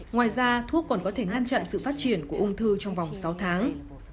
ngoài ra thuốc còn có thể ngăn chặn sự phát triển của ung thư trong vòng sáu tháng